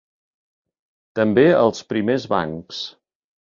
També als primers bancs.